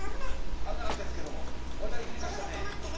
危なかったですけども渡りきりましたね。